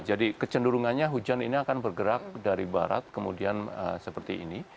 jadi kecenderungannya hujan ini akan bergerak dari barat kemudian seperti ini